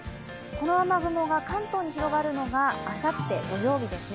この雨雲が関東に広がるのがあさって土曜日です。